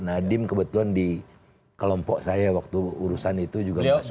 nadiem kebetulan di kelompok saya waktu urusan itu juga masuk